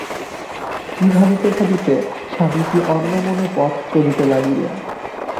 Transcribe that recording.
কি ভাবিতে ভাবিতে স্বামীজী অন্যমনে পথ চলিতে লাগিলেন।